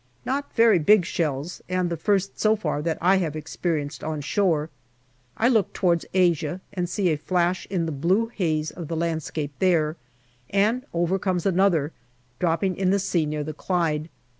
Not very big shells, and the first, so far, that I have experienced on shore. I look towards Asia and see a flash in the blue haze of the landscape there, and over comes another, dropping in the sea near the Clyde.